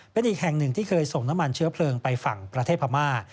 เป็นอีกแห่งหนึ่งที่เคยส่งน้ำมันเชื้อเพลิงไปฝั่งประเทศพม่า